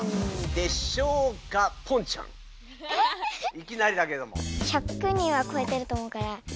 いきなりだけども。